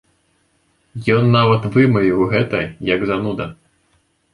Ён нават вымавіў гэта, як зануда!